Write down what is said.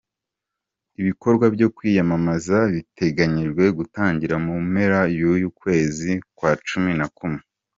Ibikorwa byo kwiyamamaza biteganyijwe gutangira mu mpera y'uku kwezi kwa cumi na kumwe.